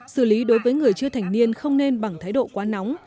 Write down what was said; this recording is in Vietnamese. xử lý đối với người chưa thành niên không nên bằng thái độ quá nóng